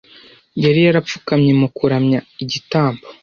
Yari yarapfukamye mu kuramya; igitambo